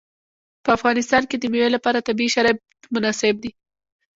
په افغانستان کې د مېوې لپاره طبیعي شرایط مناسب دي.